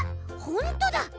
ほんとだ